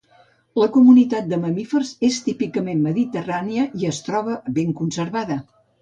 La comunitat de mamífers és típicament mediterrània i es troba ben conservada.